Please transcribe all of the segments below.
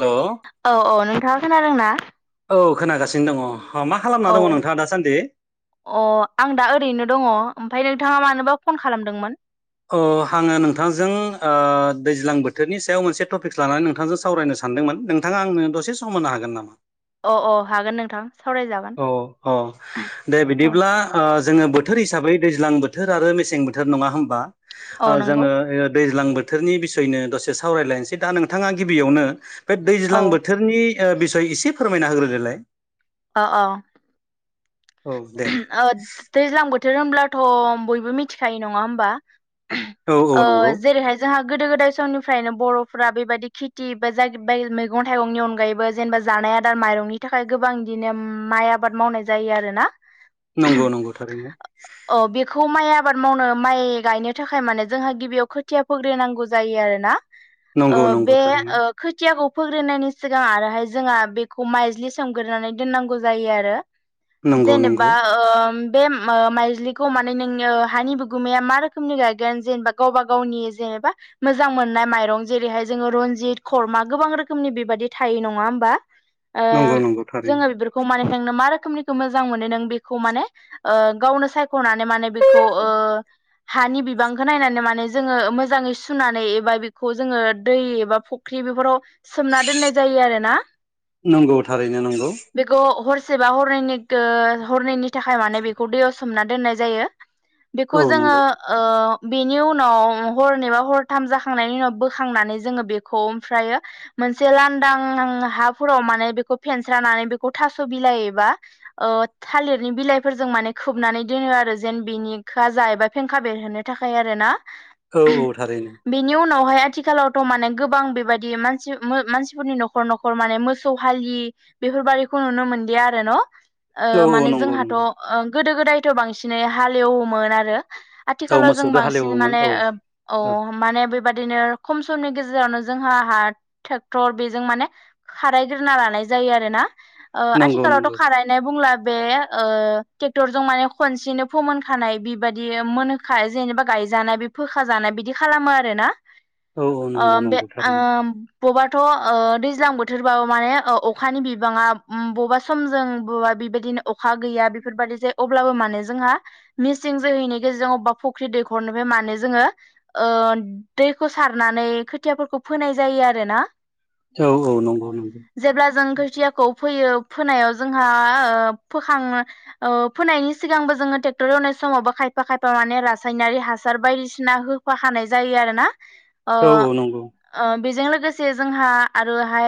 हेल' औ-औ नोंथाङा खोनादोंना? औ खोनागासिनो दङ' मा खालामना औ दङ नोंथाङा दासान्दि अ आं दा ओरैनो दङ' ओमफ्राय नोंथाङा मानोबा फन खा खालामदोंमोन? ओ आङो नोंथांजों ओ दैज्लां बोथोरनि सायाव मोनसे टपिक लानानै नोंथांजों सावरायनो सा नदोंमोन नोंथाङा आंनो दसे सम होनो हागोन नामा? अ-अ हागोन नोंथां। सावरायजागोन औ-अ दे औ बिदिब्ला ओ जोङो बोथोर हिसाबै दैज्लां बोथोर आरो मेसें बोथोर नङा होमबा औ ओ नंगौ जोङो ओ दैज्लां बो थोरनि बिसयनो दसे सावरायलायनोसै दा नोंथाङा गिबियावनो बे औ दैज्लां बोथोरनि ओ बिसय एसे फोरमायना होग्रोदोलाय। अ-औ। औ दे ओ दैज्लां बोथोर होनब्लाथ' बयबो मिथिखायो नङा होमबा? औ औ ओ नंगौ जेरैहाय जाहा गोदो-गोदाय समनिफ्रायनो बर'फोरा बेबायदि खेथि बा जायबायदि मैगं थाइगंनि अनगायैबो जेनेबा जानाय आदार माइ रंनि थाखाय गोबां बिदिनो माइ आबाद मावनाय जायो आरो। नंगौ-नंगौ थारैनो। औ बेखौ माइ आबाद मावनो माइ गायनो थाखाय माने जोंहा गिबियाव खोथिया फोग्रोनांगौ जायो आरोना। ओ नंगौ नंगौ बे थारैनो ओ खोथियाखौ फोग्रोनायनि सिगां आरोहाय जोंहा बेखौ माइज्लि सोमग्रोनानै दोननांगौ जायो आरो। नंगौ जेनेबा नंगौ ओ बे ओ माइज्लिखौ माने नोङो हानि बिगुमाया मा रोखोमनि गायगोन जेनेबा गावबा-गावनि जे- एबा मोजां मोननाय माइरं जेरैहाय जोङो रन्जित, खरमा गोबां रोखोमनि बेबायदि थायो नङा होमबा। ओ नंगौ नंगौ थारैनो जोङो बेफोरखौ मानि थांनो मा रोखोमनि खो मोजां मोनो नों बेखौ माने ओ गावनो सायख'नानै माने बेखौ ओ। हानि बिबांखौ नायनानै माने जोङो मोजाङै सुनानै एबा बेखौ जोङो दै एबा फख्रि। बेफोराव सोमना दोननाय जायो आरोना। नंगौ थारैनो नंगौ। एसेबा हरननि गों हरनैनि थाखाय माने बेखौ दैयाव सोमना दोननाय जायो। बेखौ औ जोङो नंगौ ओ। बेनि उनाव हरनिबा हरथाम जाखांनायनि उनाव बोखांनानै जोङो बेखौ ओमफ्रायो। मोनसे लांदां हाफोराव माने बेखौ फेनस्रानानै बेखौ थास' बिलाय एबा। ओ थालिरनि बिलाइफोरजों माने खोबनानै दोनो आरो जेन बेनि खाजा एबा फेंखा बेरहोनो था खाय आरोना। औ औ थारैनो। हाय आथिखालावथ' माने गोबां बेबायदि मानसि मानसिफोरनि न'खर न'खर माने मोसौ हालि। बेफोरबादिखौ नुनो मोनदिया आरो न। औ ओ औ माने नंगौ जोंहाथ' ओ नंगौ गोदो गोदायथ' बांसिनै हाल एवोमोन आरो। औ आथिखालाव जों मोसौदो बांसिन हालेवोमोन माने औ अ औ माने बे। बादिनो खम समनि गेजेरावनो जोंहा हा ट्रेक्टर बेजों माने खारायग्रोना लानाय। जायो आरोना नंगौ नंगौ आथिखालावथ' खाराय। बुंला बे ओ ट्रेक्टरजों माने खनसेनो फोमोनखानाय बेबायदि मोनहोख जे। नेबा गायजानाय बे फोखाजानाय बिदि खालामो आरोना औ औ बे ओ नंगौ बे नंगौ ओ। थारैनो बबाथ' ओ दैज्लां बोथोरबाबो माने अखानि बिबाङा बबा समजों । बबा बेबायदिनो अखा गैया बेफोरबायदि जायो अब्लाबो मानो। जोंहा मिसिं जोहैनि गेजेरजों अबेबा फुख्रि दैखरनोफ्राय मानो जोङो ओ दै दैखौ सारनानै खोथियाफोरखौ फोनाय जायो आरोना। औ औ नंगौ नंगौ। थियाखौ फैयो फोनायाव । जोंहा ओ फोखां अ फोनायनि सिगांबो जोङो ट्रेक्टर एवनाय समावबो खायफा खायफा। माने रासायनारि हासार बायदिसिना होफाखानाय जायो आरोना। ओ औ औ नंगौ ओ बेजों लोगोसे जोंहा आरोहाय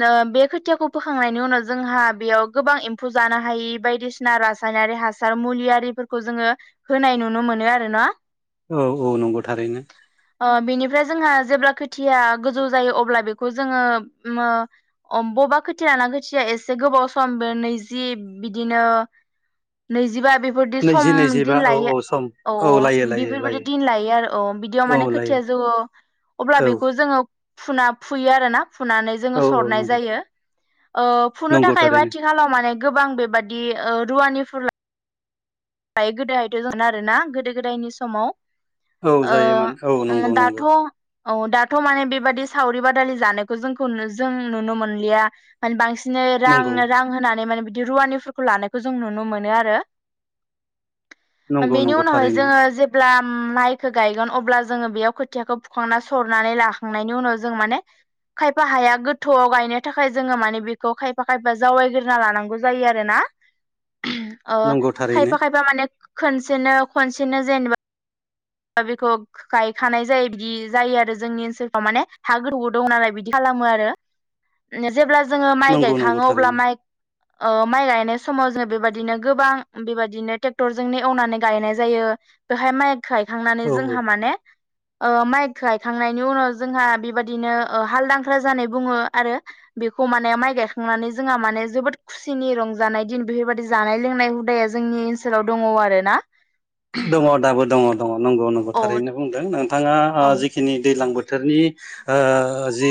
नो खोथियाखौ फोखांनायनि उनाव जोंहा बेयाव। गोबां एम्फौ जानो हायि बायदिसिना रासायनारि हासार मुलियारिफोरखौ जोङो होनाय नुनो मोनो आरो ना। औ औ नंगौ थारैनो। ओ बेनिफ्राय जोंहा जेब्ला खोथिया गोजौ जायो अब्ला बेखौ जोङो मो बबा खोथियाना खोथिया एसे गोबाव सम नैजि बिदिनो नैजिबा बेफोरदि नैजि सम नैजिबा दिन औ लायो। औ सम औ लायो औ लायो बेफोरबायदि दिन लायो आरो अ बिदियाव औ माने खोथिया लायो जौवो अब्ला औ बेखौ जोङो। फुना फुयो आरोना फुनानै जोङो औ औ सरनाय नंगौ जायो ओ फुनो नंगौ थाखायबा थारैनो खालामनानै गोबां बेबादि रुवानि फ्राय गोदोहायथ' [unintelligible] आरोना गोदो गोदायनि समाव। औ ओ जायोमोन औ ओ नंगौ दाथ' नंगौ औ दाथ' माने बेबादि सावरि बादालि जानायखौ जोंखौ जों नुनो मोनलिया माने बांसिन दिनो नंगौ रां रां होनानै माने बिदि रुवानिफोरखौ लानायखौ जों नुनो मोनो आरो। नंगौ बेनि नंगौ उनावहाय थारैनो जोङो जेब्ला। ओम माइखौ गायगोन अब्ला जोङो बेयाव खोथियाखौ फुखांना सरनानै लाखांनायनि उनाव जों माने। खायफा हाया गोथौआव गायनो थाखाय जोङो माने बेखौ खायफा खायफा जावायग्रोना लानांगौ जायो आरोना। [inaudible] ओ नंगौ थारैनो खायफा खायफा माने खनसेनो खनसेनो जेनेबा। बेखौ गायखानाय जायो बिदि जायो आरो जोंनि ओनसोलफ्राव माने हा गोथौबो दं नालाय बिदि खाला मो आरो जेब्ला जोङो माइ नंगौ नंगौ गायखाङो अब्ला थारैनो माइ। ओ माइ गायनाय समाव जों बेबायदिनो गोबां बेबायदिनो ट्रेक्टरजोंनो एवनानै गायनाय जायो। बेहाय माइखौ गायखांनानै औ जोंहा औ माने ओ माइ गायखांनायनि उनाव जोंहा बेबायदिनो हालदांख्रा जानाय बुङो। आरो बेखौ माने माइ गायखांनानै जोंहा माने जोबोद खुसिनि रंजानाय दिन बेफोरबायदि जानाय लोंनाय हुदाया जों जोंनि ओनसोलाव दङ आरो ना। दङ दाबो दङ दङ नंगौ नंगौ औ थारैनो बुंदों नोंथाङा औ जिखिनि दैज्लां बो थोरनि ओ जि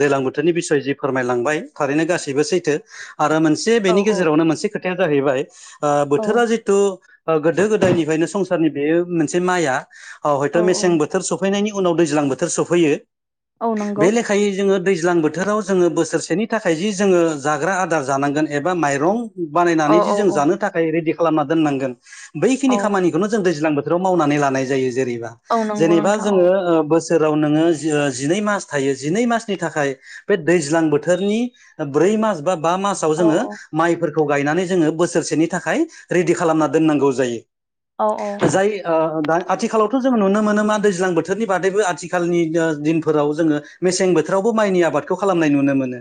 दै्लां बोथोरनि बिसय जि फोरमायलांबाय थारैनो गासैबो सैथो। आरो मोनसे औ बेनि गेजेरावनो मोनसे खोथाया जाहैबाय ओ औ बोथोरा जिथु गोदो गोदायनि संसारनि बे मोनसे माइया हयथ' औ औ मेसें बोथोर सफैनायनि उनाव दैज्लां बोथोर सफैयो। औ नंगौ बे लेखायै जोङो दैज्लां बोथोराव जोङो बोसोरसेनि थाखाय जि जोङो जाग्रा आदार जानांगोन एबा माइरं औ बानायनानै जि औ जों औ जानो थाखाय रेडि खालामना दोननांगोन बैखिनि औ खामानिखौनो जों दैज्लां बो थोराव मावनानै लानाय जायो जेरैबा औ नंगौ जेनेबा नोंथां औ जोङो बोसो राव नोङो जिनै मास थायो जिनै मासनि थाखाय बे दैज्लां बोथोरनि ब्रै मा स बा मासाव औ जोङो माइफोर खौ गायनानै जोङो बोसोरसेनि थाखाय रेडि खालामना दोननांगौ जायो। औ जाय ओ दा आथिखालावथ' जोङो नुनो मोनो मा दैज्लां बोथोरनि बादैबो आथिखालनि दिनफोराव जोङो मेसें बोथोराव खौ माइनि आबादखौ खालामनाय नुनो मोनो।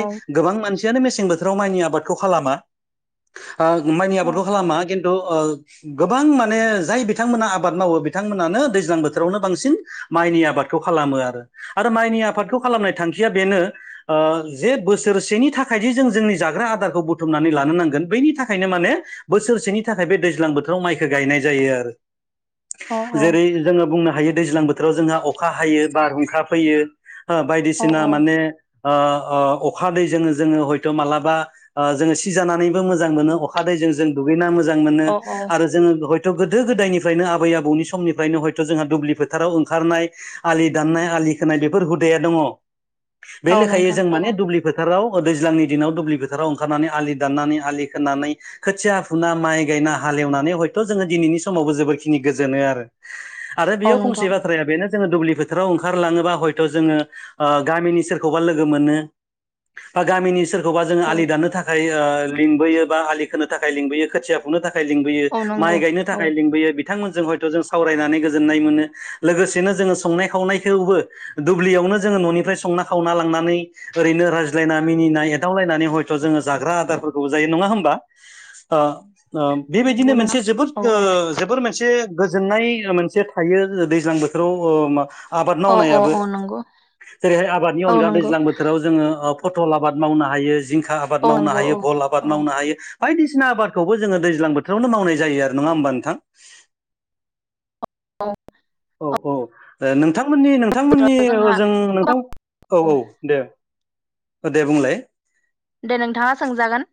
औ गोबां मानसियानो मेसें बोथोराव माइनि आबादखौ खालामा। माइनि आबादखौ खालामा खिन्थु ओ गोबां माने जाय बिथांमोना आबाद मावो बिथांमोनानो दैज्लां बोथोरावनो बांसिन माइनि आबाद खौ खालामो आरो आरो माइनि आफादखौ खालामनाय थांखिया बेनो ओ जे बोसोरसेनि था खायसे जों जोंनि जाग्रा आदारखौ बुथुमनानै लानो नांगोन बैनि थाखायनो माने बोसोरसेनि थाखाय बे दैज्लां बो बोथोराव माइखौ गायनाय जायो आरो जेरै जोङो बुंनो हा दैज्लां बोथोराव जोंहा अखा हायो बारहुंखा फैयो हा औ बायदिसिना माने आ आ अखादै जोङो जोङो हयथ' मालाबा जोङो सिजानानैबो मोजां मोनो अखादै जों दुै मोजां मोनो औ आरो जों गोदो गोदायनिफ्रायनो आबै आबौनि समनिफ्रायनो हयथ' जोंहा दुब्लि फोथाराव ओंखारनाय आलि दाननाय आ दैखोनाय बेफोर हुदाया दङ बे औ लेखै नोंथां जों माने दङ दुब्लि फोथाराव दैज्लांनि दिनाव दुब्लि फोथोराव ओंखारनानै आलि दाननानै आलि खोनानै खोथिया फुना माइ गायना हालेवनानै हयथ' जोङो दिनैनि समावबो जोबोरखिनि गोजोनो आरो आरो औ बेयाव फंसे नोंथां बाथ्राया बेनो जोङो दुब्लि फोथाराव ओंखारलाङोबा हयथ' जोङो गामिनि सोरखौबा लोगो मोनो आ गामिनि सोर खौबा जोङो औ आलि दानानो थाखाय ओ लिंबोयो बा आलि खोनो थाखाय लिंबोयो खोथिया फुंनो था खार लिंबोयो औ नंगौ माइ गायनो औ थाखाय लिंबोयो बिथांमोनजों हयथ' जों सावरायनानै गोजोननाय मोनो लोगोसेनो जोङो संनाय खावनायखौबो दुब्लियाव जोङो ननिफ्राय संना खावना लांनानै ओरैनो रायज्लाइना मिनिनाय एदावलायनानै हयथ' जोङो जाग्रा आदारफोरखौबो जायो नङा होमबा? ओ औ बेबायदिनो नंगौ मोनसे नोंथां जोबोर औ ओ औ जोबोर मोनसे गोजोननाय मोनसे थायो दैज्लां बोथोराव ओ आबाद औ औ मावनायाबो औ नंगौ जेरैहाय आबादनि औ अनगा नंगौ दैज्लां बोथोराव जोङो ओ फथल आबाद मावनो हायो जिंखा आबाद औ मावनो नंगौ औ हायो भल आबाद औ मावनो हायो बायदिसिना आबाद खौबो जोङो दैज्लां बोथोरावनो मावनाय जायो आरो नङा होमबा नोंथां? औ औ औ नोंथांमोननि नोंथांमोननि जोंहा जों नोंथां औ औ दे औ दे बुंलाय। दे नोंथाङा सोंजागोन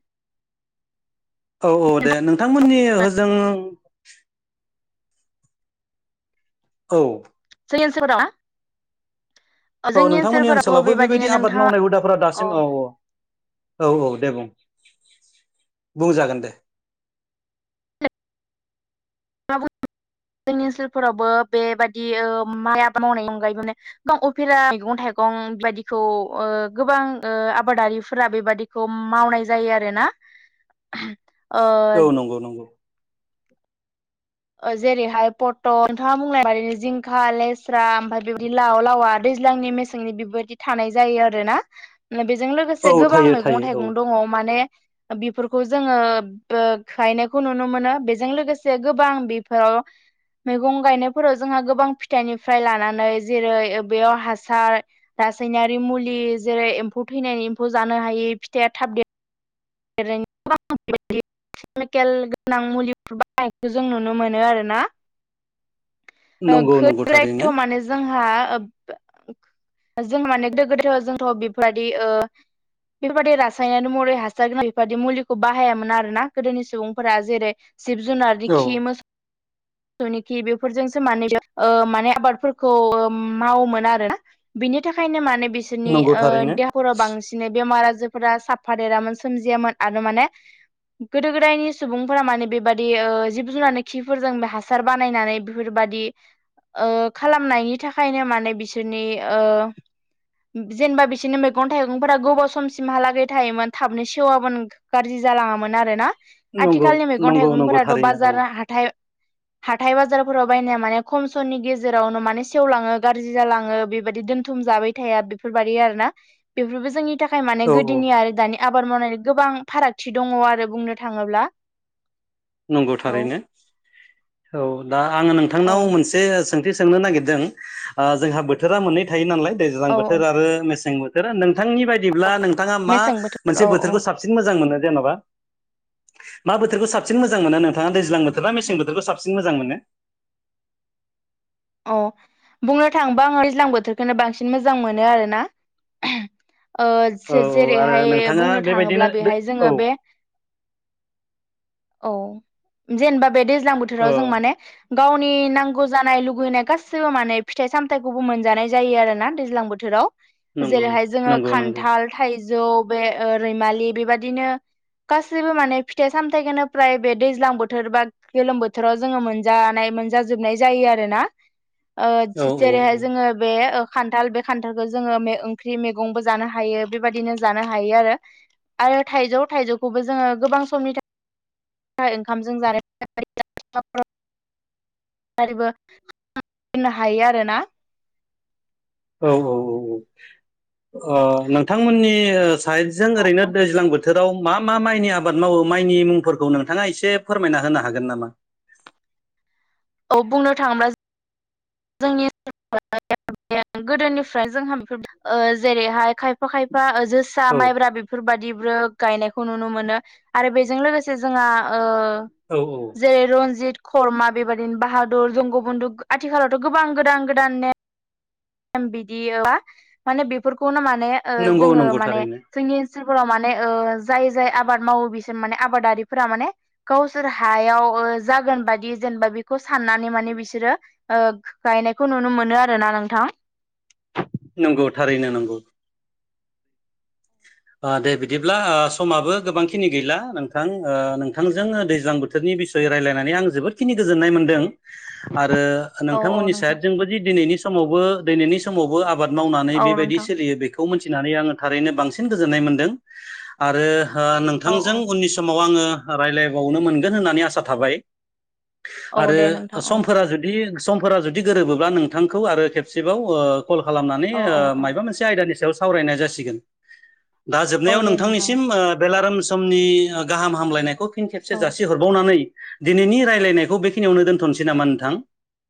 औ औ दे नोंथांमोननि होजों औ [inaudible] औ जोंनि नोंथांमोननि ओनसोलफोरावथ' ओनसोलावबो बेबायदि बेबायदिनो आबाद नोंथाङा मावनाय हुदाफोरा दासिम औ औ। औ औ दे बुं। बुंजागोन दे। [inaudible] जोंनि ओनसोलफोरावबो बेबायदि माइ आबाद मावनायनि अनगायैबो माने गोबां उफेरा मैगं-थाइ थाइगं बेबायदिखौ ओ गोबां ओ आबादारिफोरा बेबायदिखौ मावनाय जायो आरोना [inaudible] [inaudible] औ नंगौ नंगौ। जेरैहाय पटल नोंथाङा बुंनाय बादिनो जिंखा लेस्रा ओमफ्राय बेबायदि लाव लावा दै ज्लांनि मेसेंनि बेबायदि थानाय जायो आरोना। बेजों औ लोगोसे गोबां थायो थायो औ मैगं-थाइगं दङ माने बेफोरखौ जोङो ओ गायनायखौ नुनो मोनो बेजों लोगोसे गोबां बेफोराव मैगं गायनायफोराव जोंहा गोबां फिथाइनिफ्राय लानानै जेरै बेयाव हासार रासायनारि मुलि जेरै एम्फौ थैनानै एम्फौ जानो हायै फिथाइया थाब देरनाय [inaudible] केमिकेल गोनां मुलिफोर बाहायनायखौ जों नुनो मोनो आरोना। नंगौ [unintelligible] नंगौ थारैनो माने जोंहा। [inaudible] बेफोरबायदि मुलिखौ बाहायामोन आरोना गोदोनि सुबुंफोरा जेरै जिब-जुनारनि औ खि मोसौ फोरनि खि बेफोरजोंसो माने माने आबादफोरखौ मावोमोन आरोना। बिनि थाखायनो मानोे ओ बिसोरनि नंगौ थारैनो देहाफोराव बांसिन बेमार आजार फोरा साफा देरामोन सोमजियामोन आरो माने गोदो गोदायनि सुबुंफोरा माने बेबादि जिब जुनार खिफोरजों बे हासार हासार बानायनानै बेफोरबायदि ओ-खालामनायनि थाखायनो माने बिसोरनि ओ जेनेबा बिसोरनि मैगं थाइगंफोरा गोबाव समसिमहालागै थायोमोन थाबनो सेवामोन गाज्रि जालाङामोन आरोना नंगौ आथिखालनि मैगं नंगौ नंगौ थाइगंफोराथ थारैनो औ बाजार हाथाय हाथाय बाजारफोराव बायनाया माने खम समनि गेजेरावनो माने सेवलाङो गाज्रि जालाङो बेबायदि दोनथ। जाबाय थाया बेफोर बायदि आरोना बेफोरबो जोंनि थाखाय माने औ औ गोदोनि आरो दानि आबाद मावनायनि गोबां फारागथि दङ आरो बुंनो थाङोब्ला। नंगौ औ थारैनो औ दा आङो औ नोंथांनाव मोनसे सोंथि सोंनो नागिरदों जोंहा बोथोरा मोननै थायो नालाय दैजां औ बोथोर आरो मेसें बोथोर नोंथांनि बायदिब्ला नोंथाङा मा मेसें बोथोर मोनसे औ औ बोथोरखौ साबसिन मोजां मोनो जेनेबा। मा बोथोरखौ साब साबसिन मोजां मोनो नोंथाङा दैज्लां बोथोर ना मेसें बोथोरखौ साबसिन मोजां मोनो। अ बुंनो थाङोबा आङो दैज्लां बोथोरखौनो बांसिन मोजां मोनो आरोना। [inaudible] औ औ आरो ओ-जे-जेरैहाय नोंथाङा बुंनो बेबायदिनो थाङोब्ला बेहाय औ जोङो बे औ जेनेबा बे दैज्लां बोथोराव औ जों माने गावनि नांगौ जानाय लुगैनाय गासिबो माने फिथाइ सामथायाइखौबो मोनजानाय जायो आरोना दैज्लां बोथोराव। नंगौ जेरैहाय जोङो नंगौ नंगौ खान्थाल थाइजौ बे रैमालि बेबादिनो। गासैबो माने फिथाइ सामथायाइखौनो फ्राय बे दैज्लां बोथोर बा गोलोम बोथोराव जोङो मोनजानाय। मोनजाजोबनाय जायो आरोना। औ औ ओ-जेरैहाय जोङो बे खान्थाल बे खान्थालखौ जोङो मे-ओंख्रि मैगंबो जानो हायो बेबायदिनो जानो हायो आरो। थाइजौ थाइजौखौबो जोङो गोबां समनि थाखाय। ओंखामजों जानाय [unintelligible] बोनो हायो आरोना। औ औ औ औ ओ नोंथांमोननि। साइदजों ओरैनो दैज्लां बोथोर। बाव मा मा माइनि आबाद मावो माइनि मुंफोरखौ नोंथाङा एसे फोरमायना होनो हागोन नामा? [inaudible] औ बुंनो थाङोब्ला। जोंनि [unintelligible] गोदोनिफ्राय जोंहा बेफोर ओ-जेरैहाय खायफा खायफा ओ जोसा औ माइब्रा बेफोरबाददि। ओ गायनायखौ नुनो मोनो आरो बेजों लोगोसे जोंहा ओ औ जेरै रन्जित खर्मा बेबायदिनो बाहादुर जंगबन्न्दु आथिखालाव। गोबां गोदान गोदान नेम बिदि माने बेफोरखौनो माने नंगौ ओ-जोङो नंगौ माने थारैनो जोंनि ओनसोल। फोराव माने ओ-जाय जाय आबाद मावो बिसोर माने आबादारिफोरा माने गावसोर हायाव। जागोन बाददि जेनेबा बेखौ साननानै माने बिसोरो ओ-गायनायखौ नुनो मोनो आरोना नोंथां। नंगौ थारैनो नांगौ। दे बिदिब्ला समाबो गोबांखिनि गैला नोंथां नोंथांजों दैज्लां बोथोरनि। बिसयै रायजलायनानै आं जोबोदखिनि गोजोननाय मोनदों। आरो औ औ नोंथांमोननि सायड नोंथां जोंबो जि दिनैनि समावबो दिनैनि समावबो आ मावनानै औ बेबायदि नोंथां सोलियो बेखौ मिथिनानै आङो थारैनो बांसिन गोजोननाय मोनदों आरो। औ ओ-नोंथांजों औ उननि समाव आङो रायलायबावनो मोनगोन होननानै आसा थाबाय। औ आरो दे नोंथां औ समफोरा जुदि। समफोरा जुदि गोरोबोबा नोंथांखौ आरो खेबसेबाव ओ-कल खालामनानै औ औ औ ओ-मायबा मोनसे आयदानि सायाव सावरायनाय जासिगोन। दा जोबनायाव औ दे नोंथां नोंथांनिसिम ओ बेलाराम समनि गाहाम हामलायनायखौ। फिन खेबसे औ। जासि हरबावनानै दिनैनि रायलायनायखौ बेखिनियावनो दोनथनोसै नामा नोंथां?